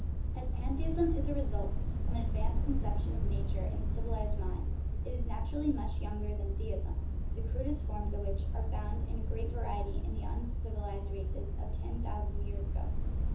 As pantheism is a result of an advanced conception of nature in the civilized mind, it is naturally much younger than theism, the crudest forms of which are found in great variety in the uncivilized races of ten thousand years ago.